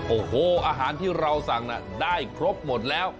โอ้โหอาหารที่เราสั่งได้ครบหมดแล้ว